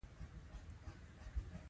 اوږدو مطالبو ترجمې ته مو وار نه خطا کېدئ.